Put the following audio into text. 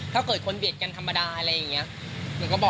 ถ้าเกิดคนเบียดกันธรรมดาอะไรอย่างนี้